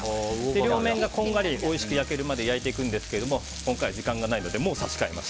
両面がこんがりおいしく焼けるまで焼いていくんですけど今回は時間がないのでもう差し替えます。